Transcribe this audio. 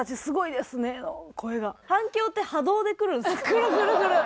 くるくるくる！